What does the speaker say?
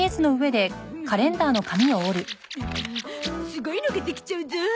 すごいのができちゃうゾ！